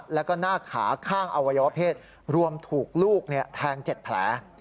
แล้วก็หน้าขาข้างอวัยวะเพศรวมถูกลูกแทง๗แผล